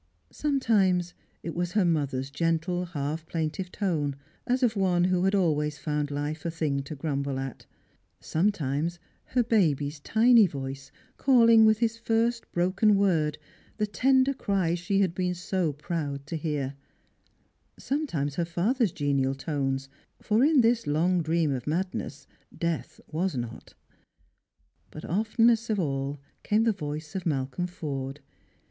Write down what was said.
Sometimes it was her mother's gentle half plaintive tone, as of one who had always found Ufe a thing to grumble at; sometimes her baby's tiny voice calling with hia first broken word, the tender cry she had been so proud to hear ; sometimes her father's genial tones ; for in this long dream of madnf &d death was not. But oftenest of all came the voice of Malcolm Forde.